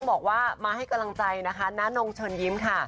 บอกว่ามาให้กำลังใจนะคะน้านงเชิญยิ้มค่ะ